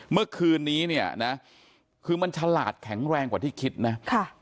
เมื่อคืนนี้เนี่ยนะคือมันฉลาดแข็งแรงกว่าที่คิดนะค่ะ